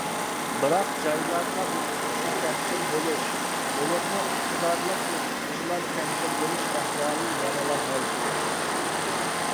بىراق جايلاردا ئوقۇتقۇچى كەمچىل بولۇش، بولۇپمۇ ئىقتىدارلىق ئوقۇتقۇچىلار كەمچىل بولۇش ئەھۋالى يەنىلا مەۋجۇت.